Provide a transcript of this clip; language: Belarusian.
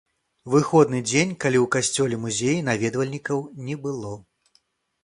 Выходны дзень, калі ў касцёле-музеі наведвальнікаў не было.